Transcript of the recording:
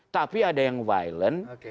tapi ada yang violent